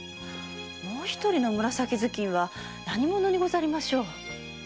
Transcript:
もう一人の紫頭巾は何者にござりましょう？